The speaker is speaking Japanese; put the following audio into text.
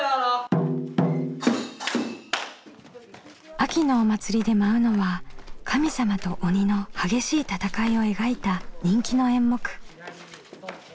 秋のお祭りで舞うのは神様と鬼の激しい戦いを描いた人気の演目。